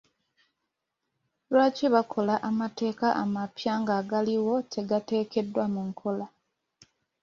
Lwaki bakola amateeka amapya, ng'agaliwo tegateekeddwa mu nkola?